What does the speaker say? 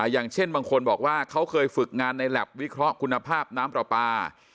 อย่างเช่นบางคนบอกว่าเขาเคยฝึกงานในแล็บวิเคราะห์คุณภาพน้ำปลาปลา